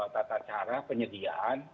tata cara penyediaan